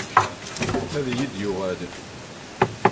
Ad iyi-d-yuɣal.